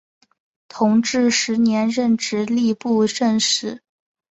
同治十年任直隶布政使。